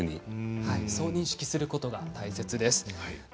そう認識することが大切です。